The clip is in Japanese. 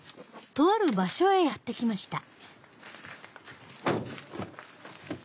とある場所へやって来ました。